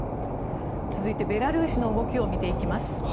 続いてベラルーシの動きを見ていきます。